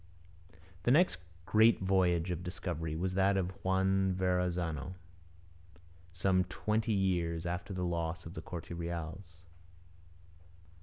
The next great voyage of discovery was that of Juan Verrazano, some twenty years after the loss of the Corte Reals.